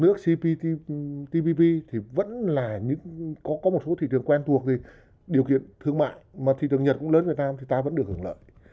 nước cptpp thì vẫn là có một số thị trường quen thuộc thì điều kiện thương mại mà thị trường nhật cũng lớn việt nam thì ta vẫn được hưởng lợi